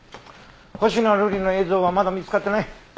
星名瑠璃の映像はまだ見つかっていない。